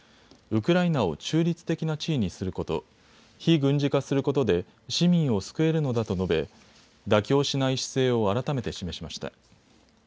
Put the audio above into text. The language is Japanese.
ウクライナを中立的な地位にすること、非軍事化することで市民を救えるのだと述べ、妥協しない姿勢を改めて示しました。